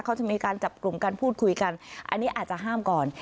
เขาจะมีการจับกลุ่มการพูดคุยกันอันนี้อาจจะห้ามก่อน